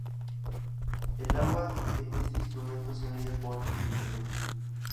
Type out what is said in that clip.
El agua en este instrumento se mide por mm.